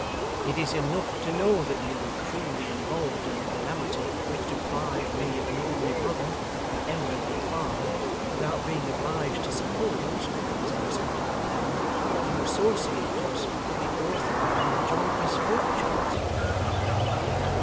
It is enough to know that you were cruelly involved in the calamity which deprived me of an only brother, and Emma of her father, without being obliged to suppose (as I sometimes am) that you associate us with the author of our joint misfortunes.